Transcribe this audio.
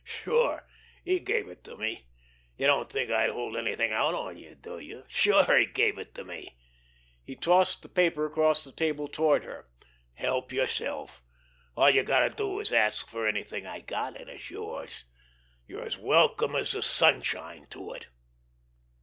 "Sure, he gave it to me! You don't think I'd hold anything out on you, do you? Sure, he gave it to me!" He tossed the paper across the table toward her. "Help yourself! All you've got to do is ask for anything I've got, and it's yours. You're as welcome as the sunshine to it."